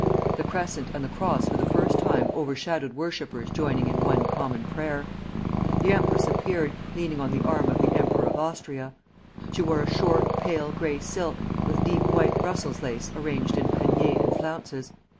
The Crescent and the Cross for the first time overshadowed worshippers joining in one common prayer. The empress appeared, leaning on the arm of the Emperor of Austria. She wore a short pale gray silk, with deep white Brussels lace arranged in paniers and flounces.